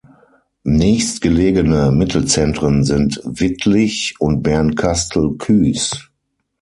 Nächstgelegene Mittelzentren sind Wittlich und Bernkastel-Kues.